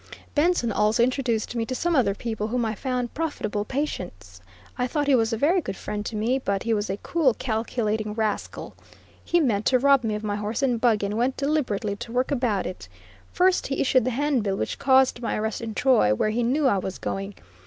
Benson also introduced me to some other people whom I found profitable patients. I thought he was a very good friend to me, but he was a cool, calculating rascal. He meant to rob me of my horse and buggy, and went deliberately to work about it. First, he issued the handbill which caused my arrest in Troy, where he knew I was going.